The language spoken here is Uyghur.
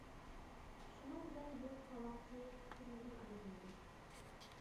شۇنىڭ بىلەن بۇ قاۋاقچى قىزىدىن ئايرىلدى.